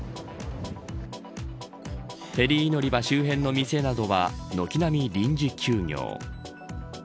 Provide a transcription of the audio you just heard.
フェリー乗り場周辺の店などは軒並み臨時休業。